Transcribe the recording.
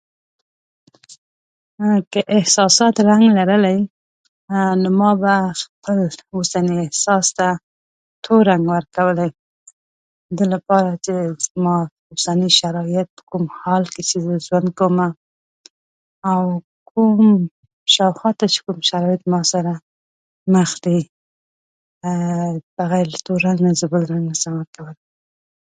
که احساساتو [unintelligible] لرلای، نو ما به خپل اوسني احساس ته تور رنګ ورکولای، د دې لپاره چې زما اوسني شرايط، کوم حال کې چې زه اوس ژوند کومه او کوم شاوخوا ته چې کوم شرايط ماسره مخ دي، بغیر له تور رنګ نه بل رنګ زه نشم ورکولای.